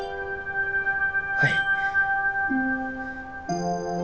はい。